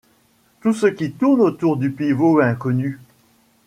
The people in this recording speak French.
Tout ce qui tourne autour du pivot inconnu